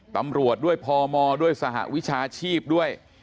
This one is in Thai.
ตำรวจด้วยพมด้วยสหวิชาชีพด้วย